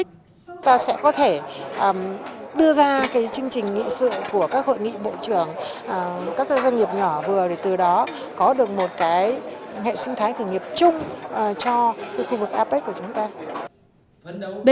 chúng ta sẽ có thể đưa ra cái chương trình nghị sự của các hội nghị bộ trưởng các doanh nghiệp nhỏ vừa để từ đó có được một hệ sinh thái khởi nghiệp chung cho khu vực apec của chúng ta